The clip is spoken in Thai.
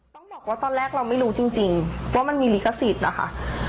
ต้องบอกว่าตอนแรกเราไม่รู้จริงว่ามันมีลิขสิทธิ์นะคะ